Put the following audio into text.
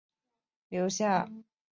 多亏孙膑说情留下。